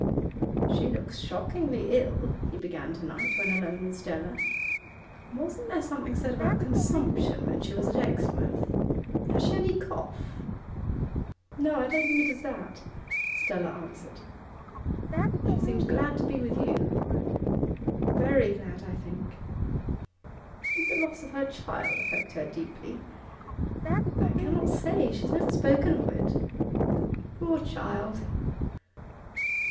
'She looks shockingly ill,' he began to night when alone with Stella. 'Wasn't there something said about consumption when she was at Exmouth? Has she any cough?' 'No, I don't think it is that,' Stella answered. 'She seems glad to be with you.' 'Very glad, I think.' 'Did the loss of her child affect her deeply?' 'I cannot say. She has never spoken of it.' 'Poor child!